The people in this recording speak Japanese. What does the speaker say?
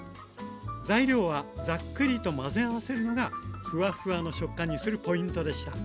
材料はザックリと混ぜ合わせるのがふわふわの食感にするポイントでした。